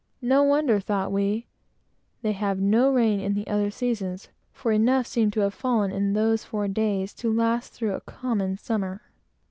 No wonder, thought we, they have no rain in the other seasons, for enough seemed to have fallen in those four days to last through a common summer.